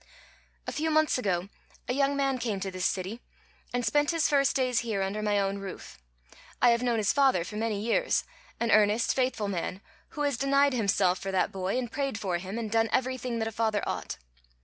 "A few months ago a young man came to this city, and spent his first days here under my own roof. I have known his father for many years, an earnest, faithful man, who has denied himself for that boy, and prayed for him, and done everything that a father ought.